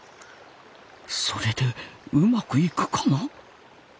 それでうまくいくかな。